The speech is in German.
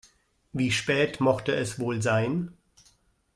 Wie spät mochte es wohl sein?